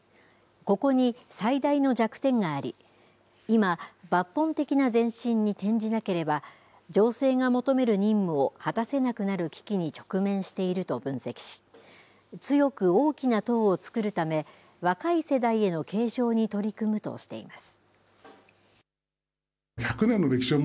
ここに最大の弱点があり、今、抜本的な前進に転じなければ、情勢が求める任務を果たせなくなる危機に直面していると分析し、強く大きな党を作るため、若い世代への継承に取り組むとしています。